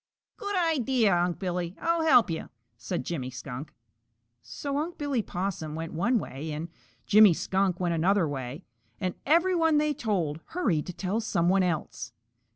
"Good idea, Unc' Billy! I'll help you," said Jimmy Skunk. So Unc' Billy Possum went one way, and Jimmy Skunk went another way. And everyone they told hurried to tell someone else.